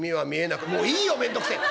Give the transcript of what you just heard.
「もういいよめんどくせえ。